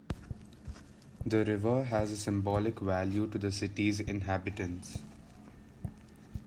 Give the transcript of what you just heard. The river has a symbolic value to the city's inhabitants.